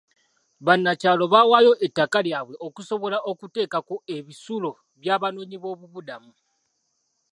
Bannakyalo baawaayo ettaka lyabwe okusobola okuteekako ebisulo by'abanoonyiboobubudamu.